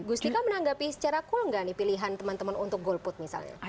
gustika menanggapi secara cool nggak nih pilihan teman teman untuk golput misalnya